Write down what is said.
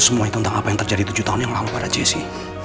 semua itu tentang apa yang terjadi tujuh tahun yang lalu pada jessi